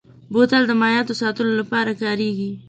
بوتل د مایعاتو ساتلو لپاره کارېږي.